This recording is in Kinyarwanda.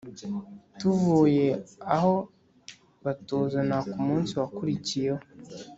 tuvuye aho batuzana ku munsi wakurikiyeho